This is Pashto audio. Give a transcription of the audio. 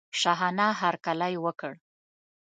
شاهانه هرکلی وکړ.